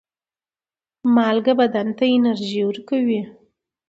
مالګه بدن ته انرژي ورکوي.